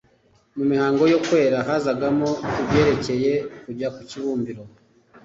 mu mihango yo kwera hazagamo ibyerekeye kujya ku kibumbiro,